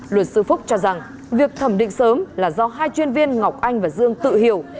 luật sư phúc cho rằng việc thẩm định sớm là do hai chuyên viên ngọc anh và dương tự hiểu